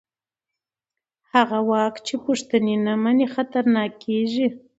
هغه واک چې پوښتنې نه مني خطرناک کېږي